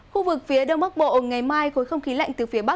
khu vực phía đông bắc bộ ngày mai khối không khí lạnh từ phía bắc